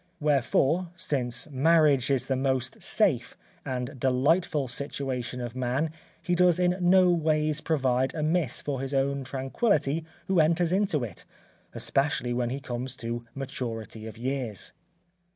Wherefore, since marriage is the most safe, and delightful situation of man he does in no ways provide amiss for his own tranquillity who enters into it, especially when he comes to maturity of years."